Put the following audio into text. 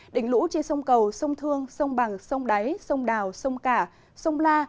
đỉnh lũ trên sông cầu sông thương sông bằng sông đáy sông đào sông cả sông la